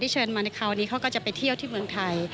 เชิญมาในคราวนี้เขาก็จะไปเที่ยวที่เมืองไทย